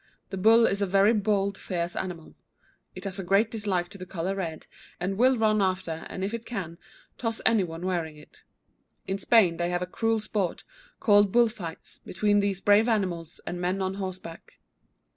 The bull is a very bold, fierce animal. It has a great dislike to the colour red, and will run after and if it can toss any one wearing it. In Spain they have a cruel sport, called bull fights, between these brave animals and men on horseback.